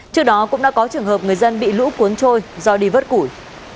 trước đó cũng đã có trường hợp người dân bị lũ cuốn trôi do đi vớt củi